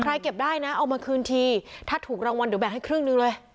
เก็บได้นะเอามาคืนทีถ้าถูกรางวัลเดี๋ยวแบ่งให้ครึ่งหนึ่งเลย